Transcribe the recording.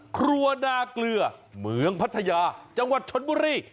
ครัวนาเกลือเมืองพัทยาจังหวัดชนบุรี